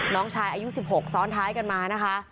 น้องชายอายุ๑๖ซ้อนท้ายกันมานะคะ